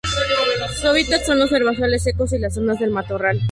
Su hábitat son los herbazales secos y las zonas de matorral.